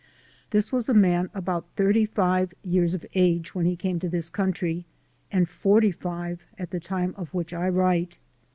This was a man about thirty five years of age when he came to this country, and forty five at the time of which I write.